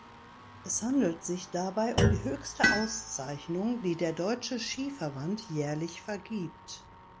Es handelt sich dabei um die höchste Auszeichnung, die der Deutsche Skiverband jährlich vergibt.